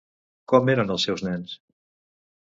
Com eren els seus nens?